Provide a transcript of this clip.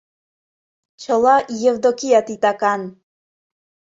«Чыла Евдокия титакан.